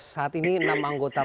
saat ini enam anggota